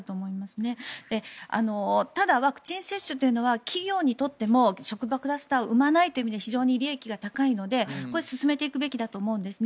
ただ、ワクチン接種というのは企業にとっても職場クラスターを生まないという意味で非常に利益が高いので進めていくべきだと思うんですね。